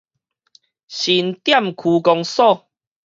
新店區公所